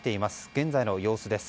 現在の様子です。